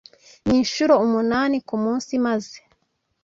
ninshuro umunani ku munsi maze